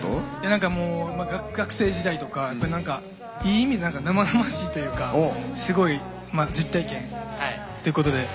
なんか、もう学生時代とかいい意味で生々しいというかすごい実体験ということで。